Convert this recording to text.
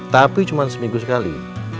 tapi cuma seminggu sekali